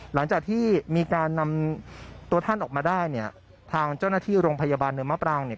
หลังจากที่มีการนำตัวท่านออกมาได้เนี่ยทางเจ้าหน้าที่โรงพยาบาลเนินมะปรางเนี่ย